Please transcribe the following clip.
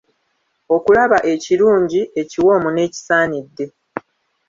Okulaba ekirungi, ekiwoomu n'ekisaanidde.